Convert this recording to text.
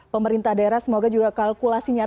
pemerintah daerah semoga juga kalkulasinya